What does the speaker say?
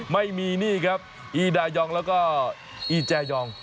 ไม่มีนี่ครับอีดายองแล้วก็อีแจยอง